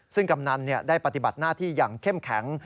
ซึ่งกำนันได้ปฏิบัติหน้าที่อย่างเข้มแข็ง